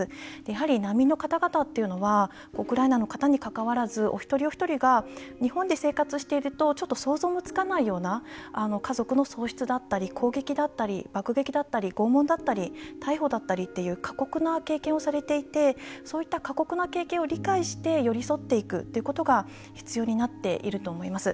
やはり、難民の方々っていうのはウクライナの方にかかわらずお一人お一人が日本で生活しているとちょっと想像もつかないような家族の喪失だったり攻撃だったり爆撃だったり拷問だったり逮捕だったりっていう過酷な経験をされていてそういった過酷な経験を理解して寄り添っていくっていうことが必要になっていると思います。